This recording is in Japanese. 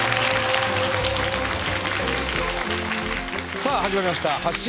さあ始まりました『発進！